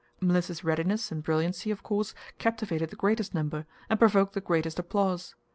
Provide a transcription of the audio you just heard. Mliss's readiness and brilliancy, of course, captivated the greatest number and provoked the greatest applause.